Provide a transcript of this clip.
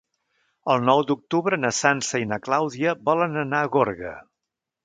El nou d'octubre na Sança i na Clàudia volen anar a Gorga.